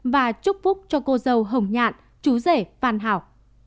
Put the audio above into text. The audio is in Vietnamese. và chúc phúc cho cô dâu hồng nhạn chú rể phan hảo